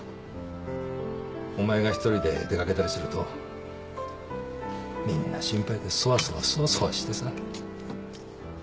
お前が一人で出掛けたりするとみんな心配でそわそわそわそわしてさ。